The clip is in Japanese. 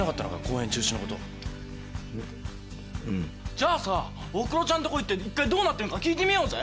じゃあさオフクロちゃんとこ行って１回どうなってんのか聞いてみようぜ。